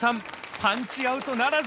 パンチアウトならず！